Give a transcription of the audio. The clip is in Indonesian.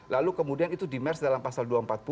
lalu kemudian itu dimers dalam pasal dua ratus empat puluh satu